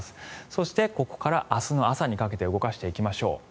そしてここから明日の朝にかけて動かしていきましょう。